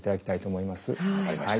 分かりました。